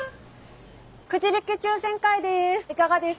くじ引き抽選会です。